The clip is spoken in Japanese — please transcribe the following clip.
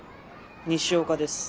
西岡です。